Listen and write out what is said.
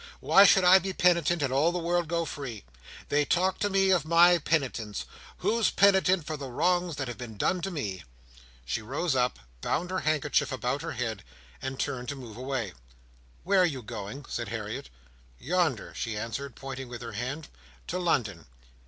Why should I be penitent, and all the world go free? They talk to me of my penitence. Who's penitent for the wrongs that have been done to me?" She rose up, bound her handkerchief about her head, and turned to move away. "Where are you going?" said Harriet. "Yonder," she answered, pointing with her hand. "To London."